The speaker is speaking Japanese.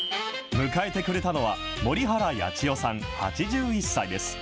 迎えてくれたのは、森原八千代さん８１歳です。